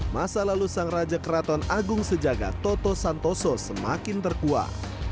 masa lalu sang raja keraton agung sejaga toto santoso semakin terkuat